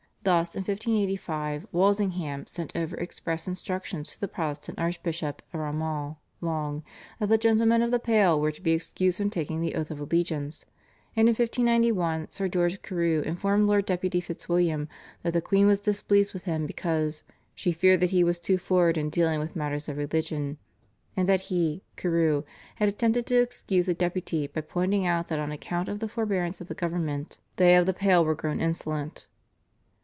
Thus in 1585 Walsingham sent over express instructions to the Protestant Archbishop of Armagh (Long) that the gentlemen of the Pale were to be excused from taking the oath of allegiance, and in 1591 Sir George Carew informed Lord Deputy Fitzwilliam that the queen was displeased with him because "she feared that he was too forward in dealing with matters of religion," and that he (Carew) had attempted to excuse the Deputy by pointing out that on account of the forbearance of the government, "they of the Pale were grown insolent."